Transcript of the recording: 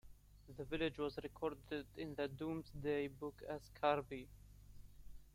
The village was recorded in the Domesday book as 'Carbi'.